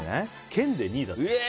県で２位だった。